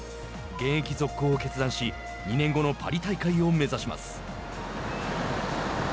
現役続行を決断し２年後のパリ大会を目指します。